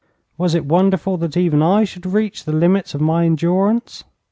Was it wonderful that even I should reach the limits of my endurance?